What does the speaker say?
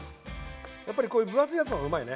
やっぱりこういう分厚いやつの方がうまいよね。